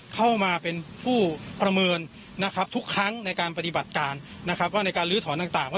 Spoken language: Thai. เข้ามาเป็นผู้ประเมินทุกครั้งในการปฏิบัติการในการลื้อถอนต่าง